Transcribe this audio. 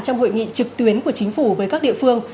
trong hội nghị trực tuyến của chính phủ với các địa phương